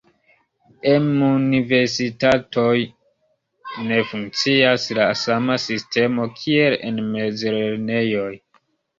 Em universitatoj ne funkcias la sama sistemo kiel en mezlernejoj.